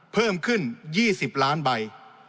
เพิ่มขึ้น๒๐ล้านใบ